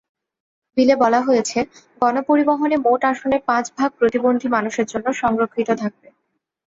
বিলে বলা হয়েছে, গণপরিবহনে মোট আসনের পাঁচ ভাগ প্রতিবন্ধী মানুষের জন্য সংরক্ষিত থাকবে।